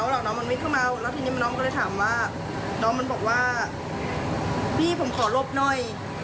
แล้วทีนี้น้องก็เลยถามว่าน้องมันบอกว่าพี่ผมขอรบหน่อย